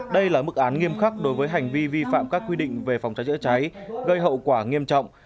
đây là mức án nghiêm khắc đối với hành vi vi phạm các quy định về phòng cháy chữa cháy gây hậu quả nghiêm trọng